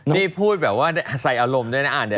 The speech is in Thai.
นี่พูดแบบว่าใส่อารมณ์ได้นะอ่าน